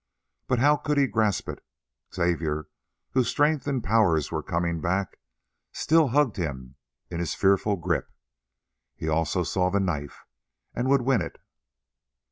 But how could he grasp it? Xavier, whose strength and powers were coming back, still hugged him in his fearful grip; he also saw the knife, and would win it.